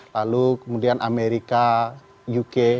lalu kemudian amerika uk